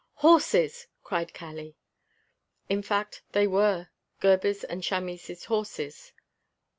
"Horses!" cried Kali. In fact they were Gebhr's and Chamis' horses.